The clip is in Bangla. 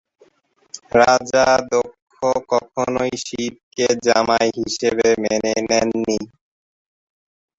রাজা দক্ষ কখনই শিবকে জামাই হিসেবে মেনে নেননি।